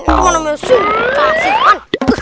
ini mana mesin